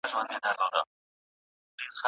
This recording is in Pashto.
زما او څښتن ترمنځه ولې ناست یې؟